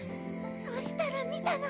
そしたら見たの！